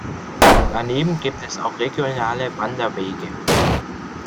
Daneben gibt es auch regionale Wanderwege.